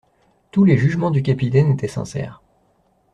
Tous les jugements du capitaine étaient sincères.